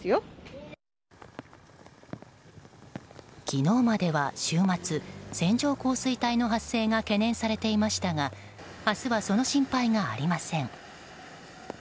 昨日までは週末、線状降水帯の発生が懸念されていましたが明日は、その心配がありません。